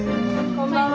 こんばんは。